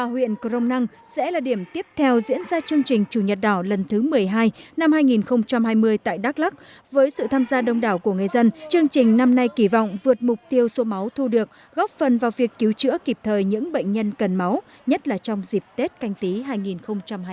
huyện cronpup là điểm đầu tiên của chương trình chủ nhật đỏ năm hai nghìn hai mươi tại tỉnh đắk lắc và thu về hơn một hai trăm linh đơn vị máu khởi động chương trình chủ nhật đỏ năm hai nghìn hai mươi tại tỉnh đắk lắc